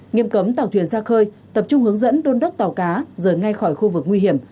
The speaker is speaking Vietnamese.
nghiêm cấm tàu thuyền ra khơi tập trung hướng dẫn đôn đốc tàu cá rời ngay khỏi khu vực nguy hiểm